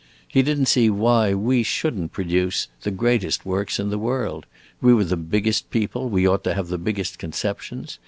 He did n't see why we should n't produce the greatest works in the world. We were the biggest people, and we ought to have the biggest conceptions.